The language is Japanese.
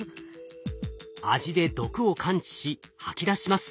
味で毒を感知し吐き出します。